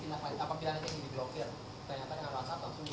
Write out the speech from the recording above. ternyata dengan whatsapp langsung